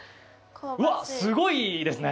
うわあすごいですね。